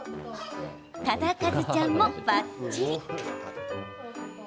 忠和ちゃんも、ばっちり！